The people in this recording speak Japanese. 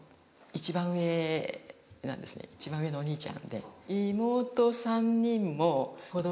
一番上のお兄ちゃんで。